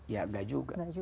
ya enggak juga